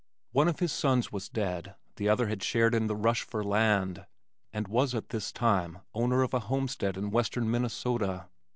One of his sons was dead, the other had shared in the rush for land, and was at this time owner of a homestead in western Minnesota.